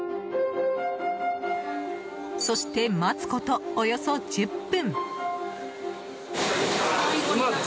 そして待つことおよそ１０分。